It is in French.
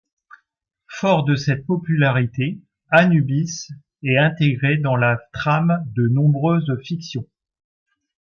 Fort de cette popularité, Anubis est intégré dans la trame de nombreuses fictions.